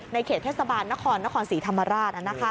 ในเขตเทศบาลนครนครศรีธรรมราชน่ะนะคะ